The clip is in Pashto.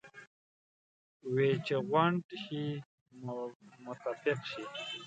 وې چې غونډ شئ متفق شئ.